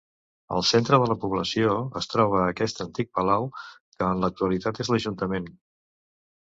Al centre de la població es troba aquest antic Palau que en l'actualitat és l'Ajuntament.